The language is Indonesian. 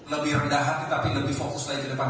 lebih rendah hati tapi lebih fokus lagi ke depan